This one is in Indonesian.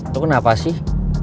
lo kenapa sih